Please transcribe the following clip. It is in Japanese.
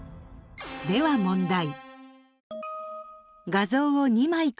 では問題。